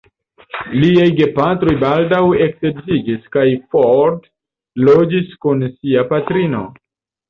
Liaj gepatroj baldaŭ eksedziĝis kaj Ford loĝis kun sia patrino.